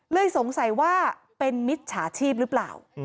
สงสัยว่าเป็นมิจฉาชีพหรือเปล่า